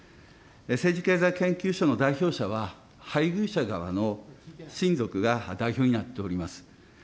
政治経済研究所の代表者は、配偶者側の親族が代表になっております。